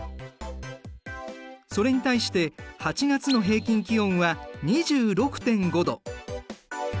それに対して８月の平均気温は２６．５度。